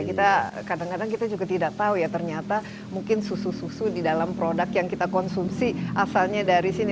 kita kadang kadang kita juga tidak tahu ya ternyata mungkin susu susu di dalam produk yang kita konsumsi asalnya dari sini